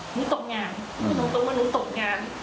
หนูต้องงานหนูต้องมาหนูต้องงาน